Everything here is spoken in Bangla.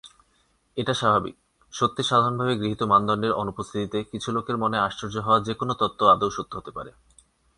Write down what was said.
এটা স্বাভাবিক, সত্যের সাধারণভাবে গৃহীত মানদণ্ডের অনুপস্থিতিতে, কিছু লোকের মনে আশ্চর্য হওয়া যে কোনো তত্ত্ব আদৌ সত্য হতে পারে।